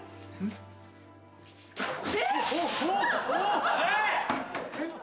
えっ！？